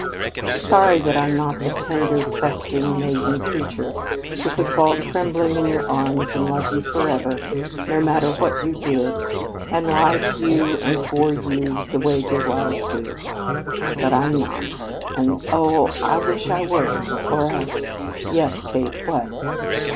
"Sorry that I'm not the tender, trusting, maiden creature who could fall trembling in your arms and love you forever, no matter what you did, and lie to you and for you the way good wives do. But I'm not and, oh, I wish I were or else " "Yes, Kate what?"